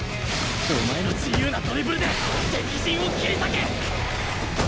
お前の自由なドリブルで敵陣を切り裂け！